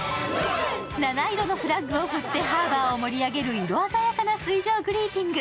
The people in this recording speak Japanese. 七色のフラッグを振ってハーバーを盛り上げる色鮮やかな水上グリーティング。